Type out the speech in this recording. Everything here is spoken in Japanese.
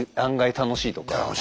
楽しいとか。